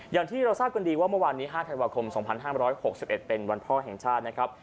อย่างที่เราทราบกันดีว่าเมื่อวานนี้๕ธันวาคม๒๕๖๑เป็นวันพ่อแห่งชาตินะครับ